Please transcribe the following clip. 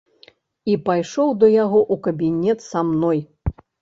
І пайшоў да яго ў кабінет са мной.